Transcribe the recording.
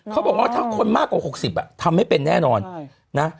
เขาบอกว่าถ้าคนมากกว่า๖๐ทำไม่เป็นแน่นอนนะ